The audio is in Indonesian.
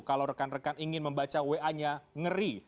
kalau rekan rekan ingin membaca wa nya ngeri